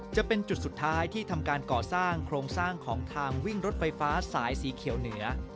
จะเป็นจุดสุดท้ายที่ทำการก่อสร้างโครงสร้างของทางวิ่งรถไฟฟ้าสายสีเขียวเหนือ